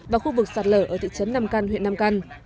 và khu vực sạt lở ở thị trấn nam căn huyện nam căn